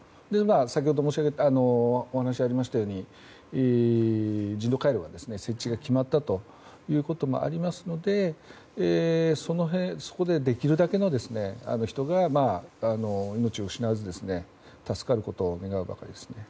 先ほどもお話がありましたように人道回廊の設置が決まったということもありますのでそこで、できるだけの人が命を失わずに助かることを願うばかりです。